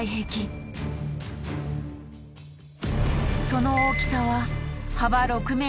その大きさは幅６ｍ